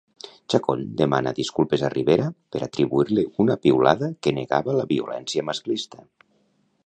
Chacón demana disculpes a Rivera per atribuir-li una piulada que negava la violència masclista.